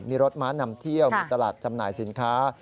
มีรถม้านำเที่ยวมีตลาดจำหน่ายสินค้า